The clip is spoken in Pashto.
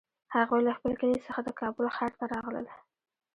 هغوی له خپل کلي څخه د کابل ښار ته راغلل